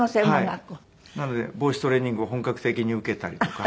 なのでボイストレーニングを本格的に受けたりとか。